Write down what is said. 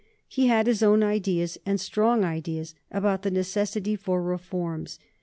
He had his own ideas, and strong ideas, about the necessity for reforms.